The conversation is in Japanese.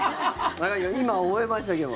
今、覚えましたけど。